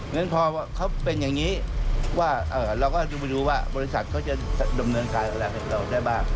ฉะนั้นพอว่าเขาเป็นอย่างนี้เราก็ดูประโยชน์ว่าบริษัทเขาจะสัดดมเนินการแบบที่ไหนเราได้บ้าง